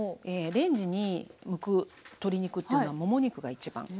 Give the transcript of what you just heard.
レンジに向く鶏肉というのはもも肉が一番。